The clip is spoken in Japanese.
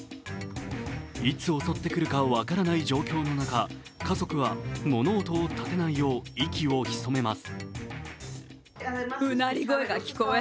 いつ襲ってくるか分からない状況の中、家族は物音を立てないよう息をひそめます。